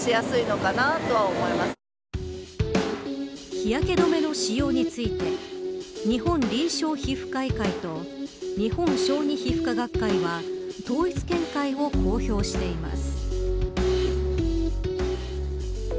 日焼け止めの使用について日本臨床皮膚科医会と日本小児皮膚科学会は統一見解を公表しています。